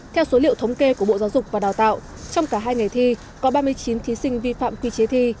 theo số liệu thống kê của bộ giáo dục và đào tạo trong cả hai ngày thi có ba mươi chín thí sinh vi phạm quy chế thi